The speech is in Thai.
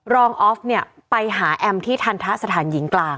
ออฟเนี่ยไปหาแอมที่ทันทะสถานหญิงกลาง